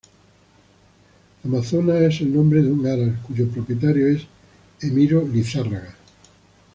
Amazonas es el nombre de un haras, cuyo propietario es Emiro Lizárraga.